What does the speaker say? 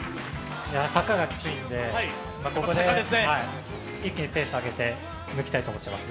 坂がきついんで、ここで一気にペースを上げていきたいと思います。